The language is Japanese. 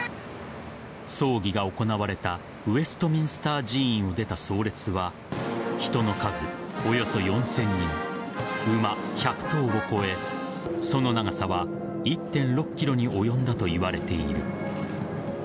葬儀が行われたウェストミンスター寺院を出た葬列は人の数、およそ４０００人馬１００頭を超えその長さは１．６ｋｍに及んだといわれている。